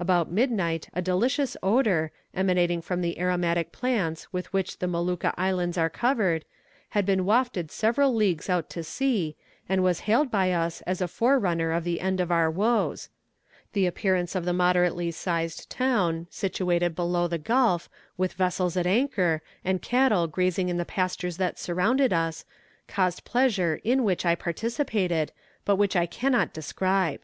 "About midnight a delicious odour, emanating from the aromatic plants with which the Molucca Islands are covered, had been wafted several leagues out to sea, and was hailed by us as a forerunner of the end of our woes. "The appearance of the moderately sized town, situated below the gulf, with vessels at anchor, and cattle grazing in the pastures that surrounded it, caused pleasure in which I participated, but which I cannot describe."